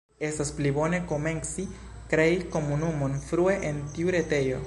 Estas pli bone komenci krei komunumon frue en tiu retejo.